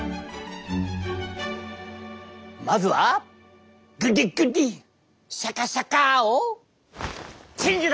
まずは「グリグリシャカシャカ」をチェンジだ！